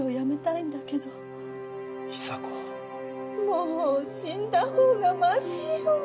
もう死んだ方がマシよ！